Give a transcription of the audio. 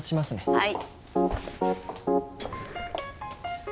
はい。